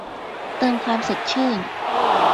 เติมความสดชื่น